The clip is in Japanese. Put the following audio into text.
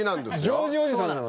ジョージおじさんなの。